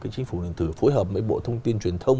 chính phủ điện tử phối hợp với bộ thông tin truyền thông